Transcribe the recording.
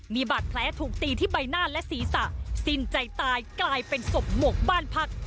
มีบาดแผลถูกตีที่ใบหน้าและศีรษะสิ้นใจตายกลายเป็นศพหมวกบ้านพัก